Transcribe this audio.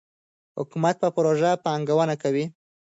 حکومت په پروژو پانګونه کوي.